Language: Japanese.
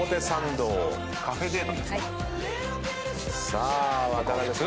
さあ渡辺さんです。